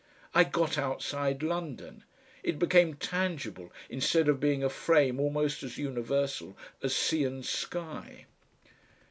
I got outside London. It became tangible instead of being a frame almost as universal as sea and sky.